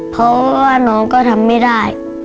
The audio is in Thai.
เพราะว่าน้องก็ทำไม่ได้